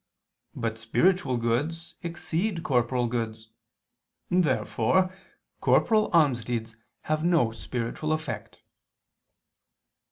But spiritual goods exceed corporal goods. Therefore corporal almsdeeds have no spiritual effect.